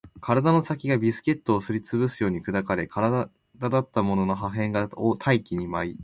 体の先がビスケットをすり潰すように砕かれ、体だったものの破片が大気に舞い